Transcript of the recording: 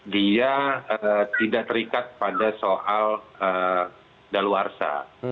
dia tidak terikat pada soal daluarsa